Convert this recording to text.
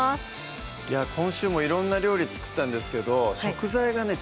今週も色んな料理作ったんですけど食材がね